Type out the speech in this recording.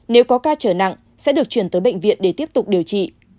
nếu có ca trở nặng sẽ được chuyển tới bệnh viện để tiếp tục điều trị